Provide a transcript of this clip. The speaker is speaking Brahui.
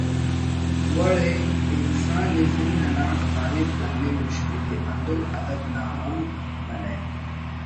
وڑ ئے انسان ئے زند نا تعریف کننگ مشکل ئے ہندن ادب نا ہم منہ